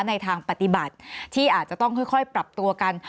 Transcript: ในทางปฏิบัติที่อาจจะต้องค่อยปรับตัวกัน